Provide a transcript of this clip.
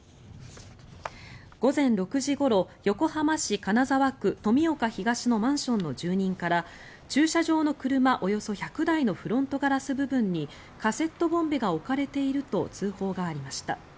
午前６時ごろ横浜市金沢区富岡東のマンションの住人から駐車場の車、およそ１００台のフロントガラス部分にカセットボンベが置かれていると通報がありました。